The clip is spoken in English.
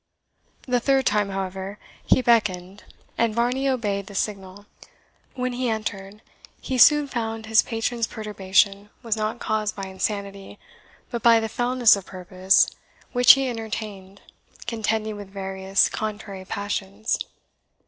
The third time, however, he beckoned, and Varney obeyed the signal. When he entered, he soon found his patron's perturbation was not caused by insanity, but by the fullness of purpose which he entertained contending with various contrary passions.